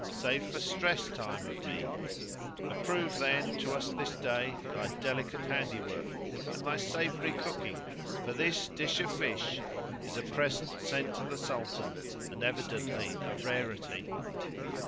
save for stress time of me; approve, then, to us this day thy delicate handiwork and thy savoury cooking; for this dish of fish is a present sent to the Sultan and evidently a rarity."